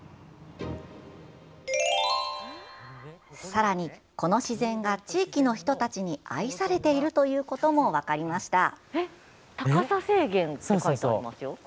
さらに、この自然が地域の人たちに愛されているということも分かりました。